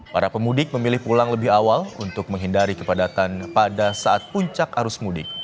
para pemudik memilih pulang lebih awal untuk menghindari kepadatan pada saat puncak arus mudik